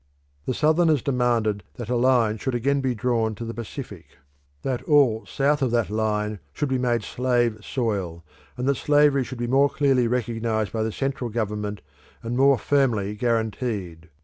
The Southerners demanded that a line should again be drawn to the Pacific; that all south of that line should be made slave soil, and that slavery should be more clearly recognised by the central government, and more firmly guaranteed.